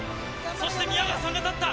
そして宮川さんが立った！